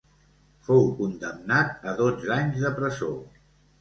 Fou condemnat a dotze anys de presó.